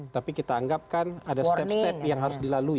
tapi kita anggap kan ada step step yang harus dilalui